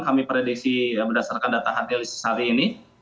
kami prediksi berdasarkan data hadir sehari ini